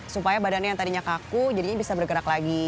supaya badannya yang tadinya kaku jadinya bisa bergerak lagi